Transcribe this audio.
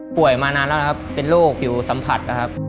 ป่วยมานานแล้วครับเป็นโรคอยู่สัมผัสครับ